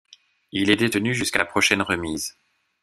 Il est détenu jusqu’à la prochaine remise.